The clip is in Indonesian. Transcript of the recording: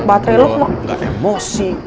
baterai lu emosi